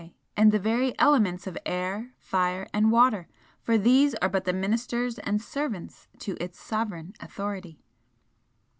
and the very elements of air, fire and water! for these are but the ministers and servants to Its sovereign authority!"